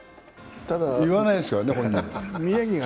言わないですけどね。